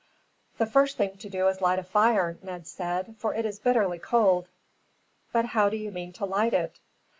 "The first thing to do is to light a fire," Ned said; "for it is bitterly cold." "But how do you mean to light it?"